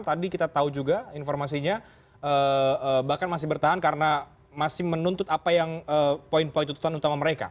tadi kita tahu juga informasinya bahkan masih bertahan karena masih menuntut apa yang poin poin tuntutan utama mereka